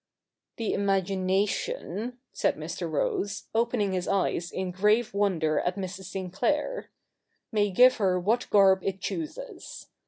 ' The imagination,' said Mr. Rose, opening his eyes in grave wonder at Mrs. Sinclair, ' may give her what garb it chooses.